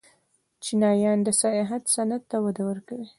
چینایان د سیاحت صنعت ته وده ورکوي.